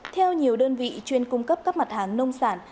theo nhiều đơn vị chuyên cung cấp các mặt hàng nông sản